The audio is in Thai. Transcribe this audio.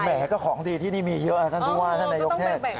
แหก็ของดีที่นี่มีเยอะท่านผู้ว่าท่านนายกเทศ